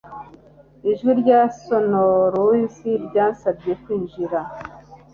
Ijwi rya sonorous ryansabye kwinjira